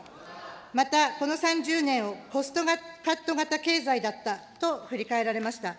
またこの３０年をコストカット型経済だったと振り返られました。